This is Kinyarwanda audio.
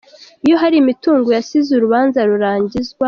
Iyo hari imitungo yasize urubanza rurangizwa.